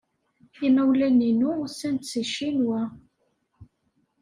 Imawlan-inu usan-d seg Ccinwa.